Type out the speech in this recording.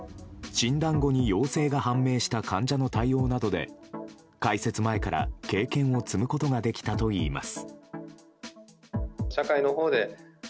診断後に陽性が判明した患者の対応などで開設前から経験を積むことができたといいます。